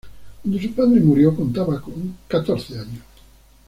Cuando su padre murió contaba con catorce años.